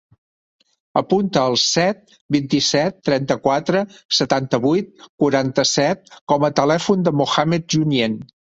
Apunta el set, vint-i-set, trenta-quatre, setanta-vuit, quaranta-set com a telèfon del Mohamed Junyent.